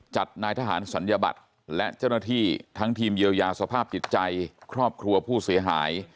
นายทหารศัลยบัตรและเจ้าหน้าที่ทั้งทีมเยียวยาสภาพจิตใจครอบครัวผู้เสียหาย